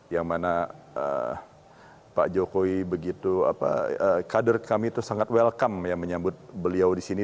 yang mana pak jokowi begitu kader kami itu sangat welcome ya menyambut beliau di sini